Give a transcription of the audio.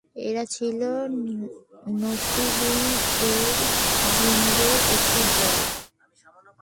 এরা ছিল নসীবীন-এর জিনদের একটি দল।